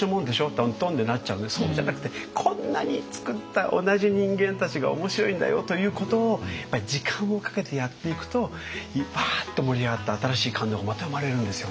とんとん」でなっちゃうんでそうじゃなくてこんなに作った同じ人間たちが面白いんだよということをやっぱり時間をかけてやっていくとわっと盛り上がって新しい感動がまた生まれるんですよね。